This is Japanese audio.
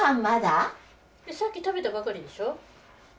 さっき食べたばかりでしょう？